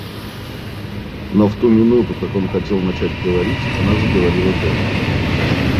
Но в ту минуту, как он хотел начать говорить, она заговорила тоже.